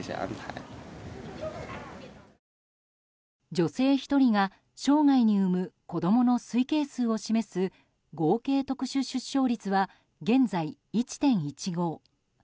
女性１人が生涯に産む子供の推計数を示す合計特殊出生率は現在１．１５。